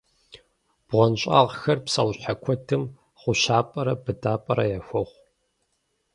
БгъуэнщӀагъхэр псэущхьэ куэдым гъущапӀэрэ быдапӀэрэ яхуохъу.